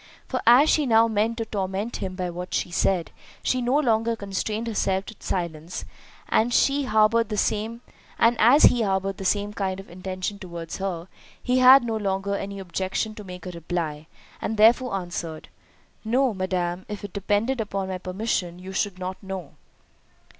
For as she now meant to torment him by what she said, she no longer constrained herself to silence—and as he harboured the same kind intention towards her, he had no longer any objection to make a reply, and therefore answered, "No, madam, if it depended upon my permission, you should not know."